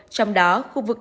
trong đó khu vực ca nhiễm